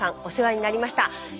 お世話になりました。